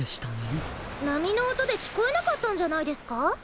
なみのおとできこえなかったんじゃないですか？